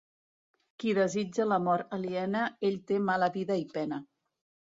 Qui desitja la mort aliena, ell té mala vida i pena.